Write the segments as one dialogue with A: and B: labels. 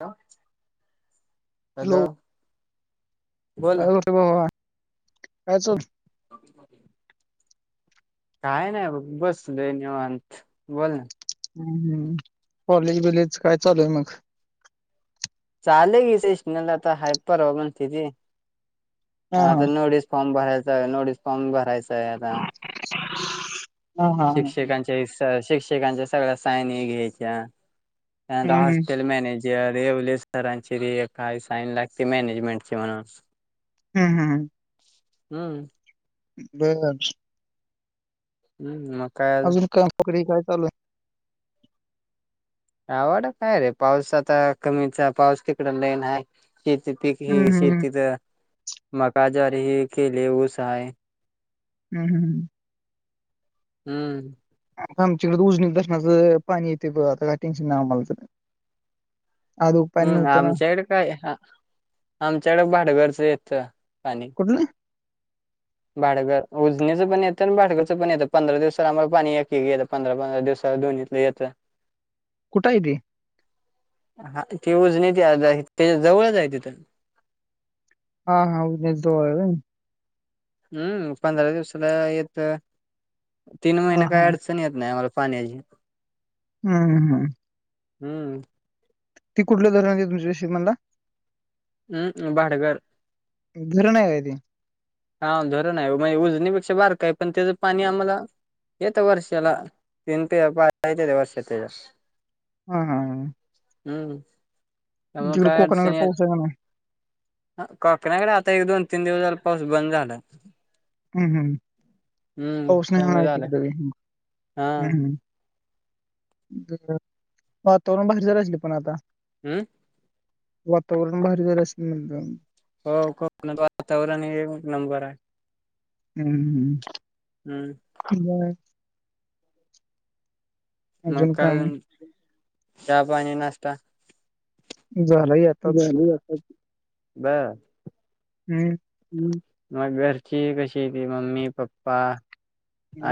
A: का, हॅलो बोल ना
B: का बा काय चल [inaudible]
A: [unintelligible] काय नाही बघ बसलोय निवांत बोल ना.
B: हम् हम् कॉलेज बलेज काय चालूय मग?
A: चालुय कि इशनल आता हाई परवा म्हनत्याती
B: हा हा
A: आता नोडी- फॉर्म भरायचं नोडीस फॉर्म भरायचं. [unintelligible]
B: [inaudible] हा
A: शिक्षकांच्या शिक्षकांच्या सगळ्या सायन ही घ्यायच्या. ह
B: हम्म हम्म
A: हॉस्टलॅ मॅर्नेज. रेवले सरांची रे काही साईन लागते मॅनेजमेंट ची म्हणून.
B: हम् हम ह
A: हम्म
B: [unintelligible]
A: हम् मग काय
B: अजून काय पकरी काय चालूय?
A: आवड काय रे पाऊस आता कमीचा पाऊस तिकड नाहीईन आहे शीती पीक ह
B: हम्म
A: शीत-
B: हम्म
A: तित मका ज्वारी केली ऊस हाय
B: हम् हम ह
A: हम्म
B: आता आमच्याकडे उजनल धरनाचं पाणी येते बघ, आता का टेन्शन नाही आम्हालातरी.
A: हम्
B: ना
A: आमच्याकडे काय आमच्याकडे भाडगरचं येतय पाणी
B: कुठलं
A: भाटगर, उजनीचं पण येतं आणि भाटगरच पण येतं पंधरा दिवस आम्हाला पाणी एक गेलं पंदरा पंदरा दिवसा दोन इतले येतं
B: कुटय ती
A: हा ती उजने त त्या जवळच आहे तिथ-
B: हा हा उजनी जवळ हाय होय.
A: अम्म पंदरा दिवसाला येतं, तीन
B: हा
A: महिने
B: हा
A: काय अडच- येत नाही आमाला पाण्याची.
B: हम हम
A: हम्म
B: ती कुटलं धरण आहे तुमच्या पनीर मन्हला.
A: अम्म भाडगार
B: धरण हवंय ते
A: हा धरण हाय म्हणजे उजनीपेक्षा बार का आहे पण त्याचं पाणी आम्हाला येत वर्षला तितन पाय त ते [unintelligible]
B: ह हा
A: हम्म त्यामुळं
B: तिकडे
A: काय
B: कोकणाकडे
A: अडचणी
B: पाऊस आहे
A: आली.
B: का नाही
A: ह कोकणाकड आता एक दोन तीन दिवस झालं पाऊस बंद झालाय
B: हम्म हम
A: हम्म कमी झालं हा
B: [unintelligible] वातावरण भारी झालं असले पण आता-
A: हम्
B: वातावरण भारी जालं असल म्हणलं
A: होय कोकणात वातावरण एक नंबर हाय
B: अम्म हम्म
A: हम्म
B: वय [inaudible]
A: मग
B: अजून
A: काय
B: काम
A: चहा पाणी नाश्ता?
B: झालं यात.
A: झाला की आताच, बरं.
B: हम्म
A: हम् मग घरची कशी हायती मम्मी पप्पा.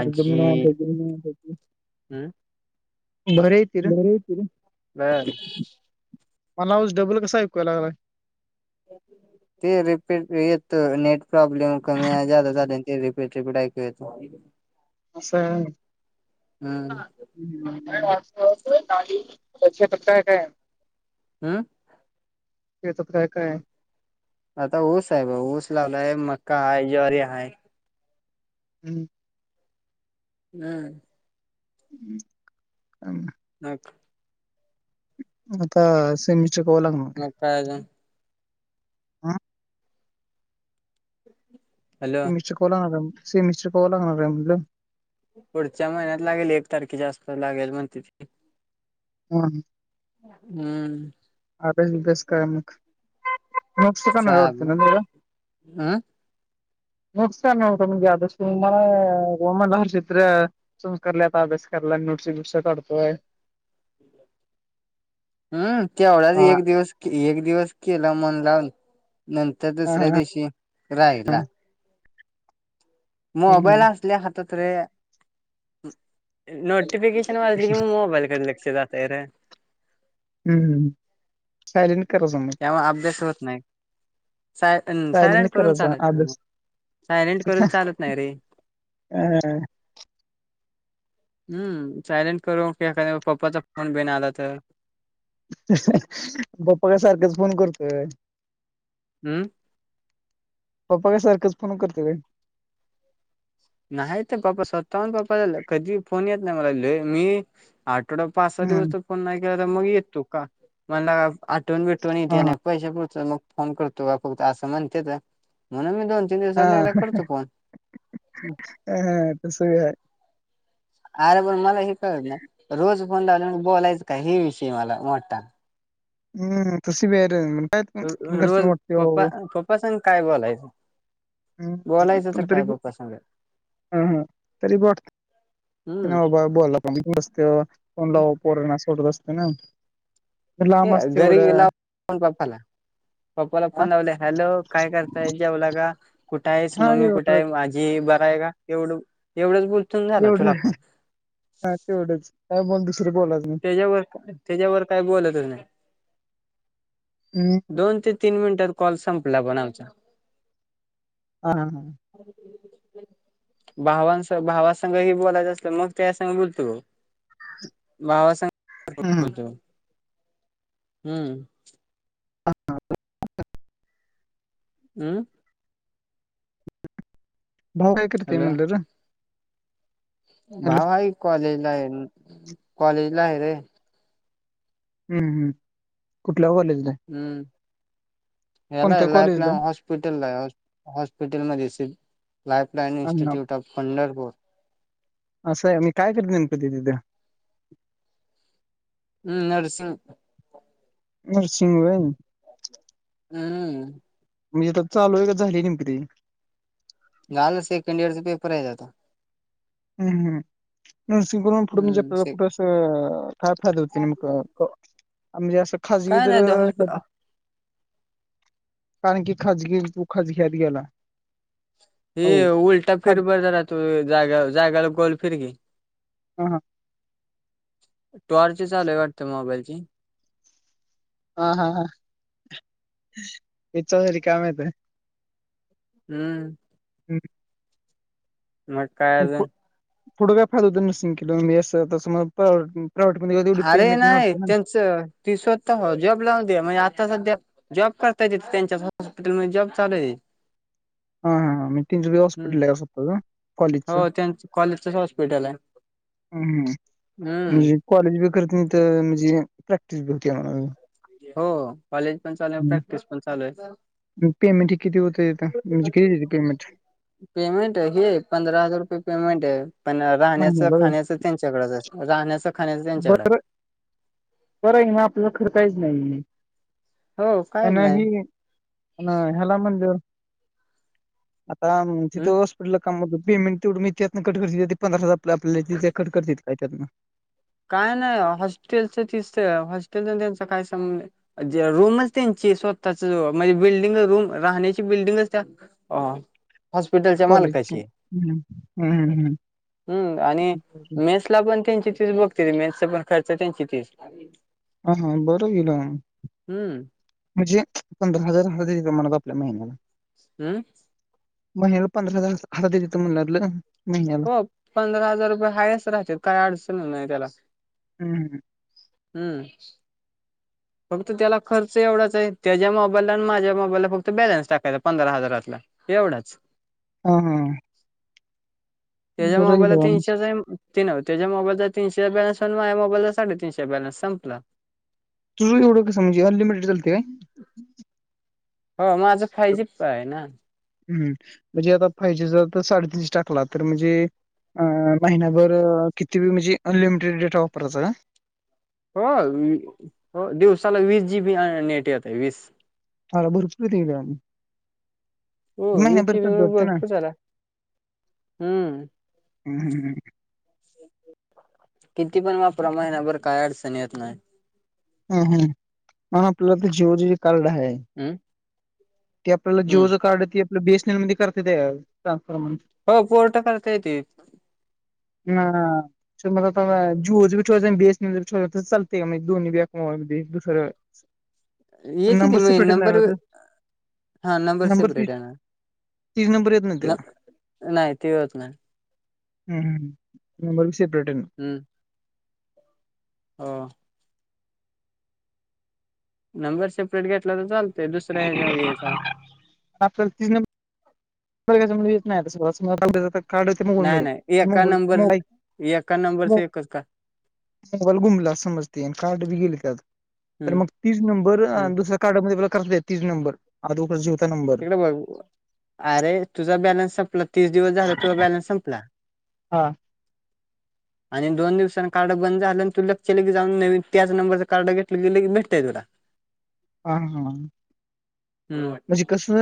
B: एकदम निवांत होतो.
A: हम्म
B: [unintelligible]
A: [unintelligible]
B: मला आवाज डबल कसा ऐक्यु याय लागलाय? [inaudible]
A: ते रिपीट येत नेट प्रॉब्लेम कमी जादा झाले ते रिपीट रिपीट ऐकू येत.
B: असंय.
A: हम्म
B: ह पक्ष पताय काय. [inaudible]
A: हा
B: शेतात काय काय आहे?
A: आता ऊस आहे बघ ऊस लावलाय मका आहे ज्वारी आहे.
B: हम्म
A: हम्म
B: काम [inaudible]
A: मग
B: मग काय सेमी
A: मग
B: [unintelligible]
A: काय झालं.
B: आ
A: हॅलो
B: सी मिशिकव लागणार सी मिशट कव लागणार आहे म्हणलं.
A: पुढच्या महिन्यात लागेल एक तारखे जास्त लागेल म्हणत्याती.
B: हम्म
A: हम्म
B: अभ्यास बिब्यास काय मग [inaudible]
A: चालेल हम्म
B: नुकसानत म्हणजे आ तुमला गोमड चित्र. [inaudible] संस्कार आता लय अभ्यास कराला नोट्स बीट्स काढतोय.
A: ठी [inaudible] हम्म तेवढाच
B: हा
A: एक दिवस एक दिवस केला मन लावून नंत- तर दुसऱ्या
B: ह
A: दिवशी राहीला. म मोबाईल
B: हम्म
A: आसले हात रे. नोटिफिकेशन वाजली की मग मोबाईलकडे लक्ष जातय र.
B: हम्म हम्म. सायलेंट करत जा मग.
A: तेव्हा अभ्यास होत नाही. साय सायलेंट करून
B: करायचा
A: चालत नाही मग,
B: अभ्यास
A: सायलेंट करून चालत नाही रे.
B: हा हा
A: हम्म सायलेंट करून उपयोग काय पप्पाचा फोन बिन आला तर.
B: पप्पा का सारखच फोन करतोय काय
A: हम्म.
B: पप्पा काय सारखंच फोन करततोय होय.
A: नाहीत पप्पा स्वतःहून पप्पा कधी फोन येत नाही मला ल मी आठवडा पाच सहा दिवस
B: हम्म
A: तर फोन नाही केला तर मग येत तू का म्हणला आठवन बिटवन
B: हा
A: येते नाही. पैसे पुरता मग फोन करतो का फक्त असं म्हणत म्हणून मी दोन तीन
B: हा
A: दिवसात एकदा करतो फोन
B: ह तसं बी हाय
A: अरे पण मला हे कळत नाही, रोज फोन लावला बोलायचं का हे विषय मला मोठा.
B: [inaudible]
A: कसबी काही बोलायचं. बोलायचं तर
B: हम्म तरी
A: काय
B: ब
A: पप्पा संग
B: हम्म हा तरी ब. [inaudible]
A: हम्म
B: नाही बाबा बोला पुढस्क कोनला पोरणा सोडत. असते ना [inaudible] लांब असते
A: घरी
B: एवढं
A: गेला फोन पप्पाला, पप्पाला
B: हा
A: फोन लावले हॅलो काय करताय. जेवला का? कुठं आहेस
B: हा
A: मम्मी
B: एव
A: कुठे आहे. माझी बर आहे का एवढं एवढंच बोलतून झाला
B: एवढं
A: ठेवला फोन -
B: हा तेवढेच हा पण दुसरी बोलायच नाही.
A: त्यांच्यावर त्यांच्यावर काय बोलतच नाही.
B: हम्
A: दोन ते तीन मिनिटात कॉल संपला पण आम्हचा
B: हा ह
A: भावांस भावासघं ही बोलायचं असलं मग त्या संग बोलतु बघ
B: [inaudible]
A: भावासग पण
B: हम्म
A: बोलतो हम्म हम्
B: भाऊ काय करतंय
A: हॅलो
B: म्हनलं र? हॅलो
A: भाव आहे कॉलेजला आहे. कॉलेज ला आहे रे
B: हम् हम् कुठल्या कॉलेजला?
A: हम्म हेला
B: कोणत्या कॉलेजला
A: लाईफलाईन
B: आहे?
A: हॉस्प हॉस्पिटल ला हॉस्पिटलमध्ये असेल लाईफलाईन
B: हा
A: इन्स्टिट्यूट ऑफ पंढरपूर.
B: असाय मग कायकरत्या गणपतीत नेमकं तिथ
A: हम्म नर्स
B: नरसिंग होय
A: हम
B: म्हणजे चालू आहे का झाली नेमक ति-
A: झाल सेकंड इयर चा पेपर आहे. आता
B: हम् नर्सिंग करून पुढ म्हणजे
A: हम्म
B: आपल्याला
A: से
B: कुठं- अ काय फायदा होते मग म्हणजे असं. खाजगी
A: काय
B: तर,
A: नाही हॉस्पिटल
B: कारण की खाजगी तू खाजग्यात गेला.
A: हे
B: हो
A: उलटा
B: खाज
A: फेरबदरा तू जाग्याला, जाग्याला गोल फीर की.
B: ह हां
A: टॉर्च चालूय वाटत मोबाईल ची
B: हा हा ह विचर रिकामा होतय.
A: हम्म मग काय अजून
B: पुढ काय फायदा होत. मी शिकला वर मी अस तस मग प्रायव्हेट बनवेल
A: अरे नाही त्यांच ती स्वत जॉब लावून दे म्हणजे आता सध्या जॉब करता तिथ त्यांच्या हॉस्पिटलमध्ये जॉब चालूय.
B: हा हां ह मी त्याच च हॉस्पिटल आहे स्वतःचं.
A: होय त्यांच कॉलेजच हॉस्पिटल आहे.
B: ह्म्म
A: हम्म
B: म्हणजे कॉलेज बी करत करत म्हणजे प्रॅक्टिस बी होती मला.
A: हो [unintelligible] प्रॅक्टिस पण चालू आहे
B: ह् पेमेंट ह किती होते आता, म्हणजे किती देते पेमेंट?
A: पेमेंट हे पंधरा हजार रुपये पेमेंट आहे. पण राहण्याचं
B: महिन्याला होय?
A: खाण्याच त्यांच सगळं आहेस राहण्याचा.
B: बर बर आहे ना आपला खर्चायचं नाही.
A: हो कायच
B: ह्यना
A: नाही
B: ही अन हेला म्हणल्यावर - आराम
A: हम्
B: तिथं बसलो. कुटलं काम पेमेंट तेवढं मीळत्यात त्यातं कट कर पंधरा हजार आपल्याला कट कर त्यातं
A: काय नाही हॉस्टेलचं तिस हॉस्टेल त्यांचा काय संबध- रूमच त्यांची स्वतःच म्हणजे बिल्डिंग रूम राहण्याची बिल्डिंगच त्या- हा हॉस्पिटलच्या मालका
B: कॉलेजची
A: ची
B: हम्म हम्म हम्म
A: आणिे-
B: हम्म.
A: पण त्यांचीती बघताय मेसचा पण खर्च त्यांची तीच
B: ह हा बरं की लगा.
A: हम्म
B: म्हणजे पंधरा हजार हातात येतात म्हण आपल्या महिन्याला.
A: हम्म
B: महिन्याला पंधरा हजार हातात येत्यात तर म्हणणारलं
A: हो पंधरा हजार रुपये हायस राहायचे काय अडचण नाही त्याला.
B: हम्म.
A: हम्म फक्त त्याला खर्च एवढाच आहे. त्याच्या मोबाईलला आणि माझ्या मोबाईलला फक्त बॅलन्स टाकायचा पंधरा हजारातला. एवढाच
B: हा हां.
A: त्याच्या मोबाईला
B: बाबा
A: तिनशाचाय ती नवं, त्याच्या मोबाईलचा तीनशे बॅलन्स हाय आनी माझ्या मोबाईलचा साडे तीनशेचा बॅलन्स संपला.
B: तुझ एवढं कसं म्हणजे अनलिमिटेड चालतय काय?
A: हं माझा फायजीचा हाय ना.
B: हम्म, म्हणजे आता फायजीचा साडेतीनशेचा टाकला तर म्हणजे अं महिनायाभर किती म्हणजे अनलिमिटेड डेटा वापरायचा काय?
A: हो हो, दिवसाला वीस जी बी नेट येतय, वीस
B: आरं भरपूर येतय म
A: हो, वीस जीबी
B: चालत
A: म्हणजे
B: वाटतं ना.
A: भरपूर झाला, हम्म.
B: हम्म हम हं.
A: किती पण वापरा, महिना भर काय अडचण येत नाही.
B: हम्म हम्म, पण आपला ते जीओ च कारडं हाय
A: हम्म
B: ते आपल्याला जीओ
A: हम्म
B: च कार्ड ती आपल्याला बी एस एन एल मध्ये करता येतय का ट्रान्सफॉर
A: हो फोर्ट करता येतय.
B: [unintelligible] [inaudible] हं, मग आता जीओच बी ठिवायचं बी एस एन एल चबी ठुलं तर चालतय का दोन्ही बी एकात हो अगदी दुसरं पण
A: येत ती
B: नंबर सेपरेट
A: नंबर,
B: येणार ना
A: हा नंबर सेपरेट येणार.
B: तीस नंबर येत नाही त्याला
A: नाही ते होत नाही.
B: हम्म हम्म नंबर सेपरेट येनार.
A: हम्म हां नंबर सेपरेट घेतला तर चालतय, दुसऱ्या हच्या वर घ्याचा.
B: आपल्याला तीच नं बर घ्याचा म्हणजे येत नाही तसा कार्ड तन हुन
A: नाही नाही एका नंबर
B: जाईल
A: एका नंबरच एकच का
B: मोबाईल गुमला समज ते कार्ड बी गेलं त्यात, तर
A: हम्म
B: मग तीच नंबर
A: हम्म
B: दुस कार्ड मध्येला कस तीच नंबर, आधी होता तोच नंबर
A: तिकडे अरे तुझा बॅलन्स संपला, तीस दिवस झाला तुझा बॅलन्स संपला.
B: हां
A: आणि दोन दिवसां कार्ड बंद झालं, आणि तू लगच्य लगे जाऊन त्याच नंबरचं कार्ड घेटलं, की लगी भेटतंय तुला.
B: हा हा.
A: हम्म.
B: म्हणजे कसं [inaudible]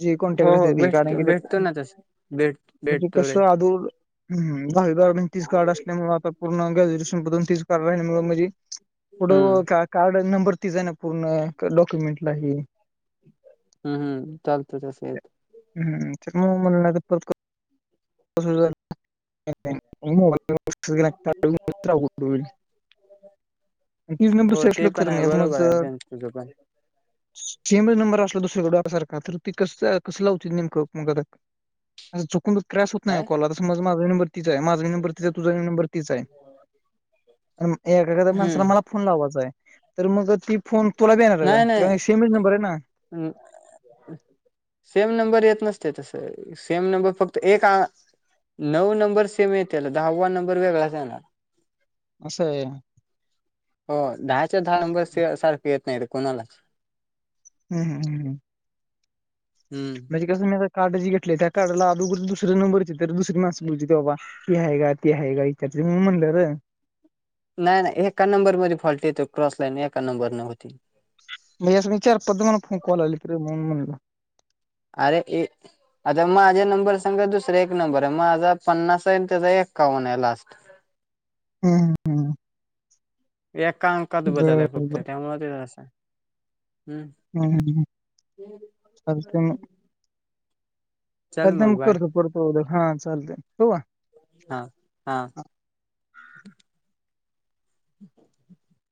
B: जी कोॉन्टॅक्ट
A: हो हो
B: नसत्याती, ती
A: भेट
B: कारण
A: भेटतो ना तस भेट
B: की
A: भेटतो रे
B: कसं आधू हम्म, भावी गार्र्डण तीस गाड असल्यामुळे आता पूर्ण गजेरी ण
A: हम्म
B: कार् नंर [inaudible] अन डॉक्युमेंटला हे
A: हम्म हम्म, चालतय तसं येत
B: हम्म,, च म म्हण ला [inaudible] ्रत [unintelligible] तीस नंबर सेटलोक सर मी आज मज
A: तुझय [unintelligible]
B: सेमच नंबर असला दुसरीकडं सारखा, तर ती कस कसं लावत्यात नेमकं मग चुकून क्रॅश होत नाही का
A: काय
B: कॉल,, आता समज माझा नंबर माझा नंबर तीच हाय, तुझा नंबर तीच हाय,, एखा्या माणसाला
A: हम्म
B: मला फोन लावायचा हाय, तर मग ती फोन तुला बी येणार का, सेमच नंबर आहेत ना
A: हम्म सेम नंबर येत नसतय तसं, सेम नंबर फक्त एक नऊ नंबर सेम येत्याल दहावा नंबर वेगळाच येणार.
B: असय वय
A: होय, दहाच्या दहा नंबर सारखं येत नाही रे कुणाला.
B: हम् हम्म हम्म हम्म
A: हम्म
B: माझे कसं मी कार्ड जे घेतलय त्या कार्डला आदुगर दुसर नंबर त तर, दुसरी माणस बोलली ते बाबा हि हाय का, ती हाय का, म्हणुन म्हणलं रं
A: नाय नाय एका नंबर मध्ये फॉल्ट येतोय क्रॉसलाईनन एका नंबर नं
B: म्हणजे अस मी चार पाच फोन कॉल आले त रे म्हणून म्हणलं
A: अरे ये आता माझ्या नंबर संग दुसरा एक नंबर आहे, माझा पन्नास आहे आणि त्याचा एक्कावन आहे लास्ट
B: हम्म
A: ऐका आकांत बदल
B: बर
A: हाय
B: बर
A: फक्त त्यामुळे ते अस
B: हम्म हम्म, चालतय म
A: चल
B: चालतंय म
A: मग बाय
B: करतो परत, हां चालतय ठेऊ का
A: हा हा ह् [unintelligible]